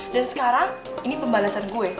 dan sekarang ini pembalasan gue